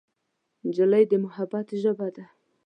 نجلۍ د محبت ژبه ده.